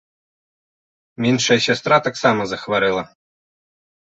Меншая сястра таксама захварэла.